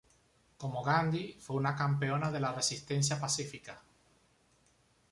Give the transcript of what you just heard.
Como Gandhi, fue una campeona de la resistencia pacífica"".